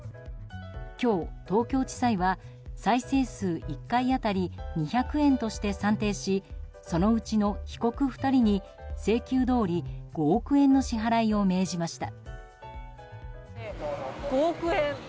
今日、東京地裁は再生数１回当たり２００円として算定しそのうちの被告２人に請求どおり５億円の支払いを命じました。